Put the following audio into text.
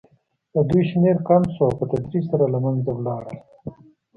د دوی شمېر کم شو او په تدریج سره له منځه لاړل.